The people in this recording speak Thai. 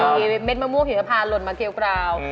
มีเม็ดมะม่วงหิมพาหล่นมาเกลียวกราว